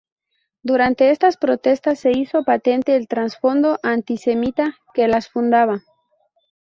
Durante estas protestas, se hizo patente el trasfondo antisemita que las fundaba.